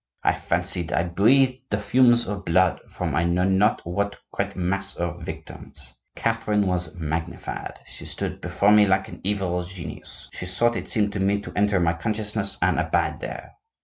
I fancied I breathed the fumes of blood from I know not what great mass of victims. Catherine was magnified. She stood before me like an evil genius; she sought, it seemed to me, to enter my consciousness and abide there."